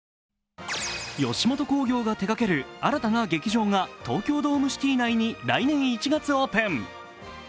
吉本興業が手がける新たな劇場が東京ドームシティ内に来年１月オープン。